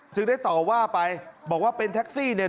ได้ต่อว่าไปบอกว่าเป็นแท็กซี่เนี่ย